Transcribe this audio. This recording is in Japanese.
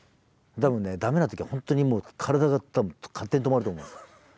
多分ね駄目な時は本当にもう体が勝手に止まると思うんですよ。